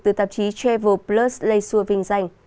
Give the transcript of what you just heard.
từ tạp chí travel plus lê xua vinh danh